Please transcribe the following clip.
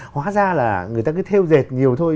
hóa ra là người ta cứ theo dệt nhiều thôi